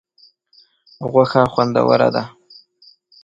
غوښه خوندوره ده.